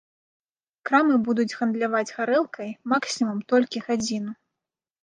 Крамы будуць гандляваць гарэлкай максімум толькі гадзіну.